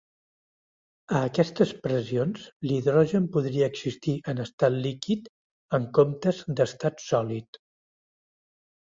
A aquestes pressions, l'hidrogen podria existir en estat líquid en comptes d'estat sòlid.